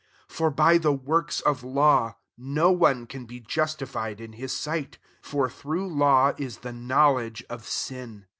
20 For by the works of Jaw : no one can be justified in his sight: for through law is the knowledge of sin.